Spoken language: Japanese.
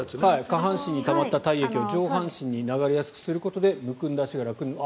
下半身にたまった体液を上半身に流れやすくすることでむくんだ足が楽になる。